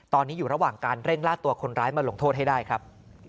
ตอนนี้อยู่ระหว่างการเร่งล่าตัวคนร้ายมาลงโทษให้ได้ครับ